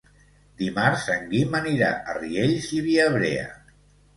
Dimarts en Guim anirà a Riells i Viabrea.